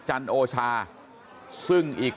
จันโอชาซึ่งอีก